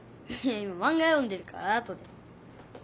今マンガ読んでるからあとで。